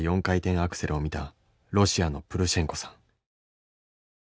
４回転アクセルを見たロシアのプルシェンコさん。